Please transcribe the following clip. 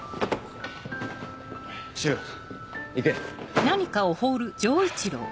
柊行け。